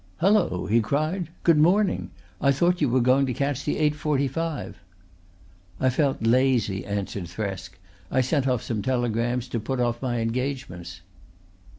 "Hulloa," he cried. "Good morning. I thought you were going to catch the eight forty five." "I felt lazy," answered Thresk. "I sent off some telegrams to put off my engagements."